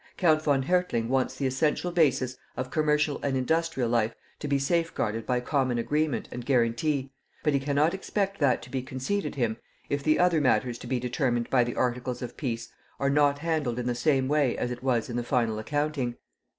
Count von Hertling wants the essential basis of commercial and industrial life to be safeguarded by common agreement and guarantee, but he cannot expect that to be conceded him if the other matters to be determined by the articles of peace are not handled in the same way as it was in the final accounting.